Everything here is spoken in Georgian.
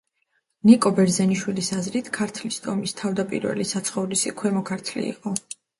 ნიკო ბერძენიშვილის აზრით ქართლის ტომის ტავდაპირველი საცხოვრისი ქვემო ქართლი იყო.